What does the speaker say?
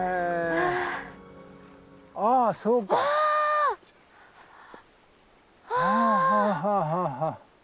はあはあはあはあ。